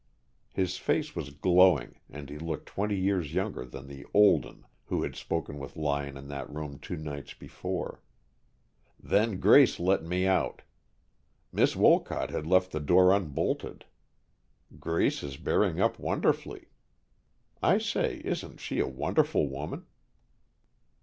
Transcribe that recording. His face was glowing, and he looked twenty years younger than the "Olden" who had spoken with Lyon in that room two nights before. "Then Grace let me out. Miss Wolcott had left the door unbolted. Grace is bearing up wonderfully. I say, isn't she a wonderful woman?"